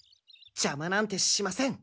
ジャマなんてしません。